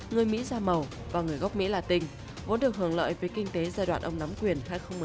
người mỹ da màu và người gốc mỹ là tình vốn được hưởng lợi với kinh tế giai đoạn ông nắm quyền hai nghìn một mươi sáu hai nghìn hai mươi